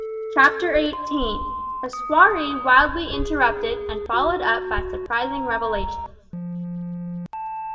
CHAPTER EIGHTEEN. A SOIREE WILDLY INTERRUPTED, AND FOLLOWED UP BY SURPRISING REVELATIONS.